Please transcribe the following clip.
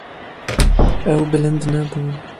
Ew bilind nebûn.